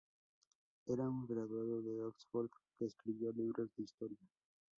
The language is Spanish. Era un graduado de Oxford que escribió libros de historia.